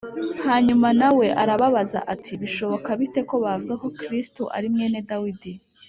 Hanyuma na we arababaza ati bishoboka bite ko bavuga ko Kristo ari mwene Dawidi